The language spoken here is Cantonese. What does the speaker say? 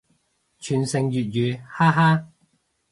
傳承粵語，哈哈